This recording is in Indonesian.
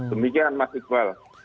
demikian mas iqbal